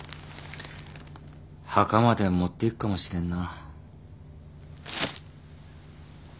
墓まで持っていくかもしれんな。